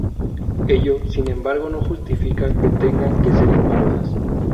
Ello, sin embargo, no justifica que tengan que ser incómodas.